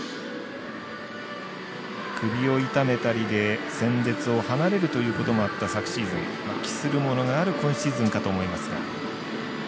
首を痛めたりで戦列を離れるということもあった昨シーズン、期するものがある今シーズンかと思いますが。